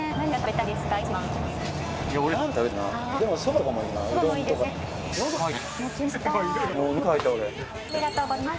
ありがとうございます。